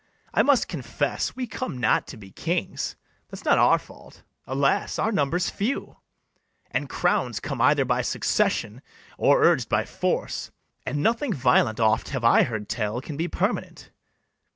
I must confess we come not to be kings: That's not our fault: alas, our number's few! And crowns come either by succession, Or urg'd by force; and nothing violent, Oft have I heard tell, can be permanent.